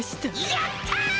やった！